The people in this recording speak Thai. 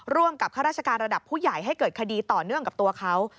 ร่วมกับข้าราชการระดับผู้ใหญ่ให้เกิดคดีต่อเนื่องกับตัวเขา